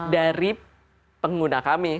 dari pengguna kami